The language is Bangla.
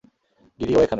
গিরি, ও এখানে।